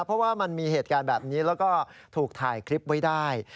เพราะว่ามันมีเหตุการณ์แบบนี้แล้วก็ถูกถ่ายคลิปไว้ได้